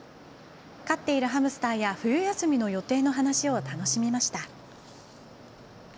飼っているハムスターや冬休みの予定の話を楽しみました。